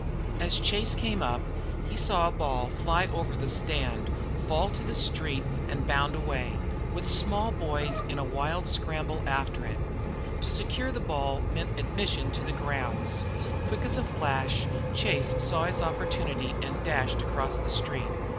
As Chase came up he saw a ball fly over the stand fall to the street and bound away, with the small boys in a wild scramble after it. To secure the ball meant admission to the grounds. Quick as a flash Chase saw his opportunity and dashed across the street.